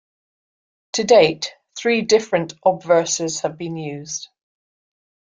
To date, three different obverses have been used.